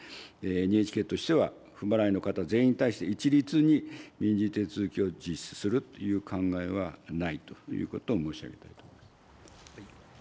ＮＨＫとしては不払いの方全員に対して、一律に民事手続きを実施するという考えはないということを申し上げたいと思います。